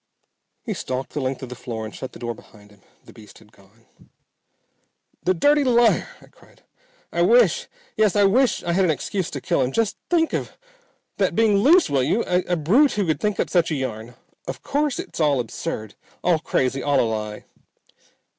He stalked the length of the floor and shut the door behind him. The beast had gone. "The dirty liar!" I cried. "I wish yes I wish I had an excuse to kill him. Just think of that being loose, will you? A brute who would think up such a yarn! Of course it's all absurd. All crazy. All a lie."